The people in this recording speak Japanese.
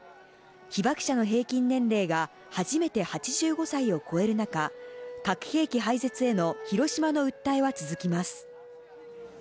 被爆者の平均年齢が初めて８５歳を超える中、核兵器廃絶へのヒロシマの訴えは続きます。